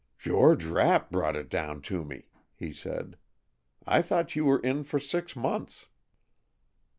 "George Rapp brought it down to me," he said. "I thought you were in for six months."